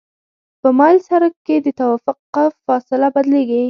په مایل سرک کې د توقف فاصله بدلیږي